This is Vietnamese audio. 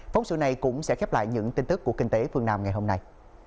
phóng sự này cũng sẽ khép lại những tin tức của kinh tế phương nam ngày hôm nay